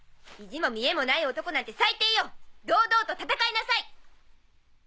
意地も見栄もない男なんて最低よ堂々と戦いなさい！